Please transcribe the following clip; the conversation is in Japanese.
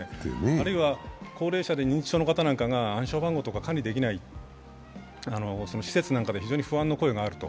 あるいは、高齢者で認知症の方なんかが暗証番号なんかを管理できない施設などで非常に不安の声があると。